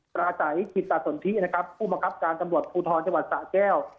ประสัยจิตสนทินะครับผู้มังคับการตำรวจภูทรจังหวัดสะแก้ว